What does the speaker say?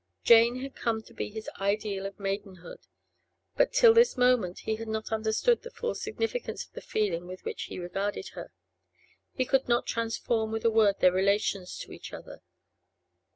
Jane had come to be his ideal of maidenhood, but till this moment he had not understood the full significance of the feeling with which he regarded her. He could not transform with a word their relations to each other.